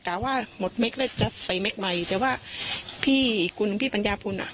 กล่าวว่าหมดแม็กซ์เล็กจะใส่แม็กซ์ใหม่แต่ว่าพี่คุณพี่ปัญญาพุนอ่ะ